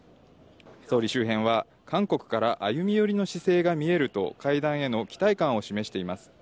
総理周辺は、韓国から歩み寄りの姿勢が見えると会談への期待感を示しています。